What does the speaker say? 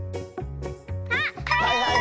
あっはいはい！